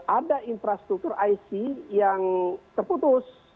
ada infrastruktur ic yang terputus